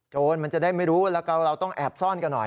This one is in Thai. มันจะได้ไม่รู้แล้วก็เราต้องแอบซ่อนกันหน่อย